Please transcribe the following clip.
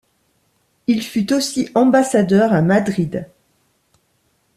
Il fut aussi ambassadeur à Madrid.